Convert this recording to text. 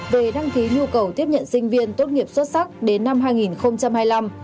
về đăng ký nhu cầu tiếp nhận sinh viên tốt nghiệp xuất sắc đến năm hai nghìn hai mươi năm